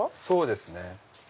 そうですね